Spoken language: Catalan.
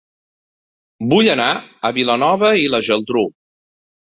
Vull anar a Vilanova i la Geltrú